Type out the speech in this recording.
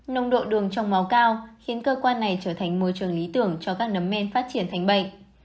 nông độ đường trong máu cao khiến cơ quan này trở thành môi trường lý tưởng cho các nấm men phát triển thành bệnh